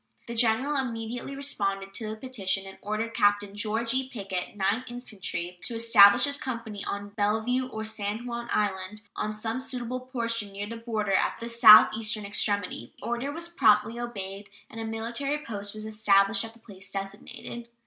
The General immediately responded to this petition, and ordered Captain George E. Pickett, Ninth Infantry, "to establish his company on Bellevue, or San Juan Island, on some suitable position near the harbor at the southeastern extremity." This order was promptly obeyed and a military post was established at the place designated.